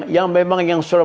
yang memang yang suruh